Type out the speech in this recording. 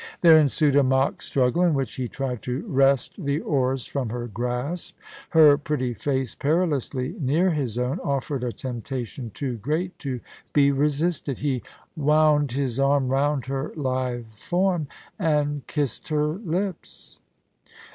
There ensued a mock struggle, in which he tried to wrest the oars from her grasp. Her pretty face, perilously near his own, offered a temptation too great to be resisted He wound his arm round her lithe form, and kissed her lips.